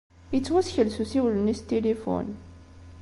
Ittwasekles usiwel-nni s tilifun.